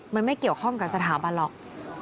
มันไม่เกี่ยวข้องกับสถาบันหรอก